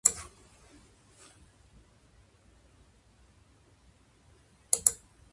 歴史が得意な人に憧れがある。